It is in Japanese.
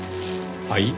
はい？